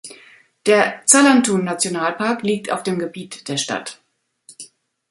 Der Zalantun-Nationalpark liegt auf dem Gebiet der Stadt.